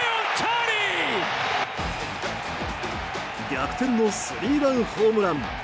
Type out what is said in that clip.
逆転のスリーランホームラン！